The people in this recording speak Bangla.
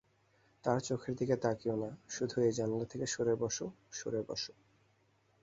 তার চোখের দিকে তাকিও না শুধু এই জানালা থেকে সরে বসো সরে বসো।